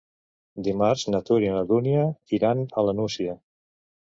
Dimarts na Tura i na Dúnia iran a la Nucia.